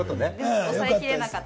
抑えきれなかった。